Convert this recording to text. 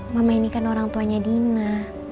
mama ini kan orang tuanya dina